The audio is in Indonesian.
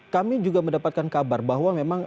kami juga mendapatkan kabar bahwa memang